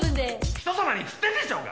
人様にっつってんでしょうが！